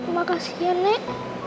makasih ya nek